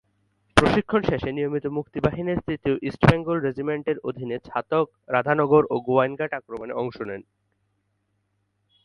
প্রশিক্ষণ শেষে নিয়মিত মুক্তিবাহিনীর তৃতীয় ইস্টবেঙ্গল রেজিমেন্টের অধীনে ছাতক, রাধানগর ও গোয়াইনঘাট আক্রমণে অংশ নেন।